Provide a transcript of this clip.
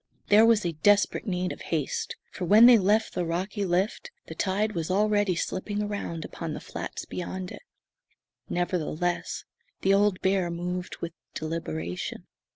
There was desperate need of haste, for when they left the rocky lift the tide was already slipping around upon the flats beyond it. Nevertheless, the old bear moved with deliberation.